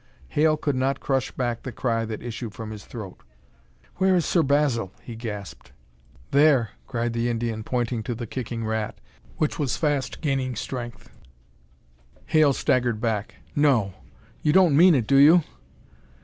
Hale could not crush back the cry that issued from his throat. "Where is Sir Basil?" he gasped. "There!" cried the Indian, pointing to the kicking rat, which was fast gaining strength. Hale staggered back. "No! You don't mean it, do you?"